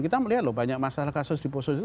kita melihat loh banyak masalah kasus di poso itu